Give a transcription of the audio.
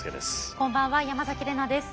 こんばんは山崎怜奈です。